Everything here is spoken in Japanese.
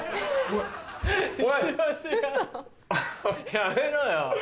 やめろよ。